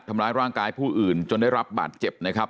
ทำร้ายร่างกายผู้อื่นจนได้รับบาดเจ็บนะครับ